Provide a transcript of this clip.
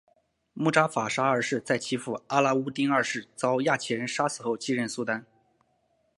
慕扎法沙二世在其父阿拉乌丁二世遭亚齐人杀死后继任苏丹。